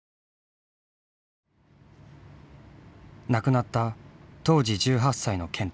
亡くなった当時１８歳の健太。